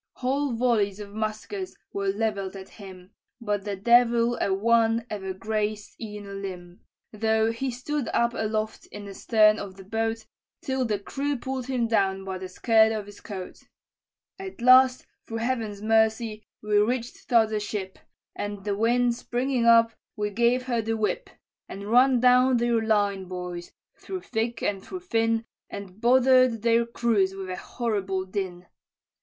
"Whole volleys of muskets were levell'd at him, But the devil a one ever grazed e'en a limb, Though he stood up aloft in the stern of the boat, Till the crew pull'd him down by the skirt of his coat. "At last, through Heaven's mercy, we reached t'other ship, And the wind springing up, we gave her the whip, And run down their line, boys, through thick and through thin, And bother'd their crews with a horrible din.